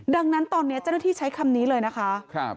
ดังนั้นตอนนี้เจ้าหน้าที่ใช้คำนี้เลยนะคะ